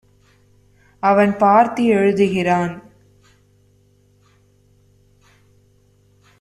அவன் பார்த்து எழுதுகிறான்.